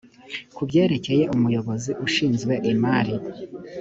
ku byerekeye umuyobozi ushinzwe imari